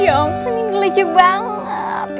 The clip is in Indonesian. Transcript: ya ampun ini leceh banget